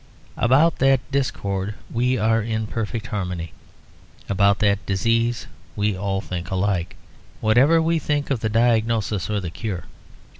About that discord we are in perfect harmony; about that disease we all think alike, whatever we think of the diagnosis or the cure.